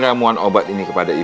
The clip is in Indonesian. berikan ramuan obat ini kepada nyi